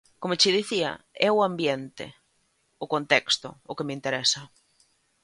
Como che dicía, é o ambiente, o contexto, o que me interesa.